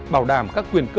bảo đảm các quyền cơ